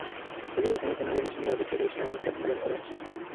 ছবির হোসেনের কেনা জমির সঙ্গে একত্র করে সীমানাপ্রাচীর নির্মাণ করা হচ্ছে।